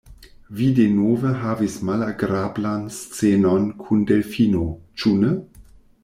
Vi denove havis malagrablan scenon kun Delfino; ĉu ne?